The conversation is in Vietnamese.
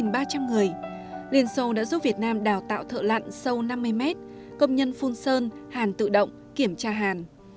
sau tăng lên tám ba trăm linh người liên xô đã giúp việt nam đào tạo thợ lặn sâu năm mươi mét công nhân phun sơn hàn tự động kiểm tra hàn